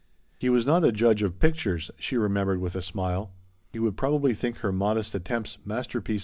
He was not a judge of pictures, she remembered with a smile ; he would probably think her modest attempts first rate.